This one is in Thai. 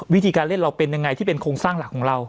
วิธีการเล่นเราเป็นยังไงที่เป็นโครงสร้างหลักของเรา